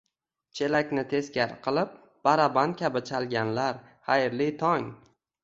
Chelakni teskari qilib, "baraban" kabi chalganlar, xayrli tong!